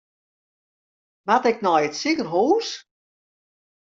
Moat ik nei it sikehûs?